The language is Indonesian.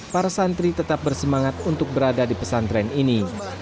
para santri tetap bersemangat untuk berada di pesantren ini